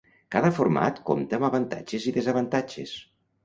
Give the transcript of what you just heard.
Cada format compta amb avantatges i desavantatges.